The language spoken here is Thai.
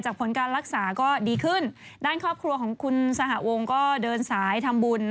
ก็คือข้างที่มีข้างขวาที่ยังอยู่